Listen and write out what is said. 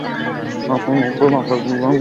এর মধ্যে বাতাস দুর্গন্ধ হয়ে উঠেছে।